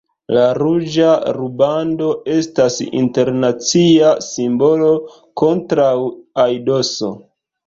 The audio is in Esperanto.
La ruĝa rubando estas internacia simbolo kontraŭ aidoso.